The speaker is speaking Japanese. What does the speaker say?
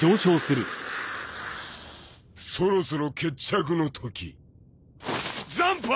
そろそろ決着の時斬波！